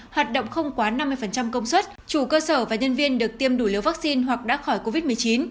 hoạt động không quá năm mươi công suất chủ cơ sở và nhân viên được tiêm đủ liều vaccine hoặc đã khỏi covid một mươi chín